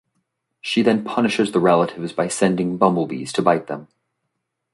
She then punishes the relatives by sending bumblebees to bite them.